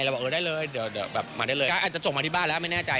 บอกเออได้เลยเดี๋ยวแบบมาได้เลยก๊อาจจะจบมาที่บ้านแล้วไม่แน่ใจ